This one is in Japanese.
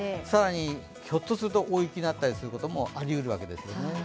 更に、ひょっとすると大雪になったりすることもありえるわけですね。